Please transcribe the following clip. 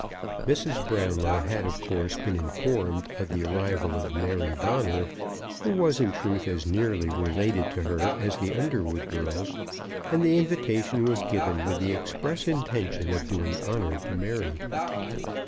Mrs. Brownlow had of course been informed of the arrival of Mary Bonner, who was in truth as nearly related to her as the Underwood girls, and the invitation was given with the express intention of doing honour to Mary.